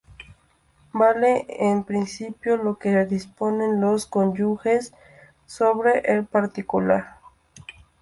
Vale en principio lo que disponen los cónyuges sobre el particular.